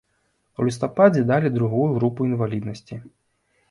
У лістападзе далі другую групу інваліднасці.